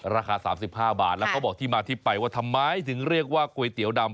ราคา๓๕บาทแล้วเขาบอกที่มาที่ไปว่าทำไมถึงเรียกว่าก๋วยเตี๋ยวดำ